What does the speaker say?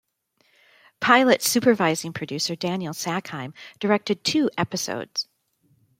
"Pilot" supervising producer Daniel Sackheim directed two episodes.